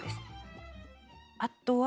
あとは。